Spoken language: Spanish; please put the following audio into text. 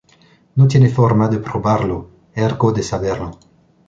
No tiene forma de probarlo, "ergo" de saberlo.